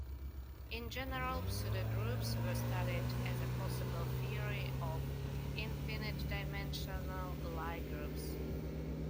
In general, pseudogroups were studied as a possible theory of infinite-dimensional Lie groups.